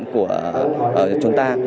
của chúng ta